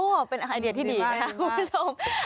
โอ้โหเป็นไอเดียที่ดีนะครับคุณผู้ชม